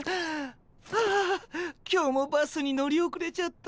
ああ今日もバスに乗り遅れちゃった。